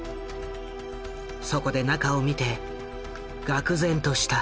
そこで中を見て愕然とした。